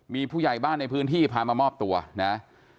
มีผู้ใหญ่บ้านในพื้นที่พามามอบตัวนะ